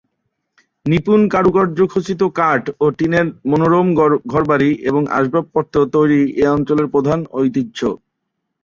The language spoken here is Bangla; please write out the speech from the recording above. নিপুণ কারুকার্য খচিত কাঠ ও টিনের মনোরম ঘরবাড়ি এবং আসবাবপত্র তৈরি এ অঞ্চলের প্রধান ঐতিহ্য।